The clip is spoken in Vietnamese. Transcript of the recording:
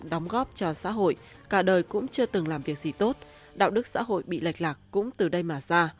đóng góp cho xã hội cả đời cũng chưa từng làm việc gì tốt đạo đức xã hội bị lệch lạc cũng từ đây mà ra